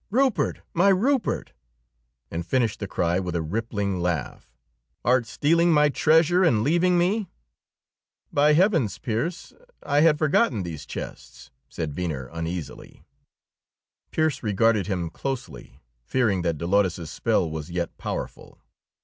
"Rupert, my Rupert!" and finished the cry with a rippling laugh. "Art stealing my treasure and leaving me?" "By Heavens, Pearse, I had forgotten these chests," said Venner uneasily. Pearse regarded him closely, fearing that Dolores's spell was yet powerful.